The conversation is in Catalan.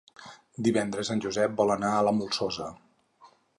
Divendres en Josep vol anar a la Molsosa.